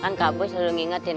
kan kak gue selalu ngingetin